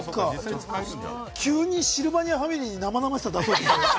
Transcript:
急にシルバニアファミリーに生々しさを出そうと。